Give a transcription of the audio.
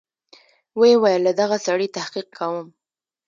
ويې ويل له دغه سړي تحقيق کوم.